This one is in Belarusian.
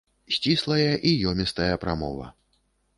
Сціслая і ёмістая прамова.